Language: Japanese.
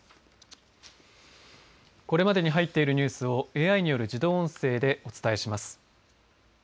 これまでに入ってるニュースをＡＩによる自動音声でお伝えします。